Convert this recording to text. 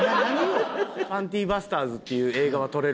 「パンティバスターズ」っていう映画は撮れる。